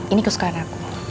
ini kesukaan aku